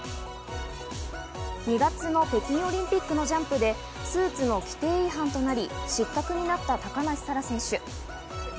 ２月の北京オリンピックのジャンプでスーツの規定違反となり失格になった高梨沙羅選手。